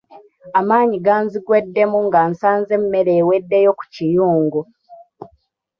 Amaanyi ganzigweddemu nga nsanze emmere eweddeyo ku kiyungu.